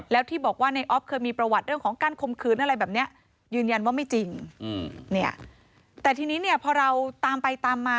แล้วที่บอกว่าในออฟเคยมีประวัติ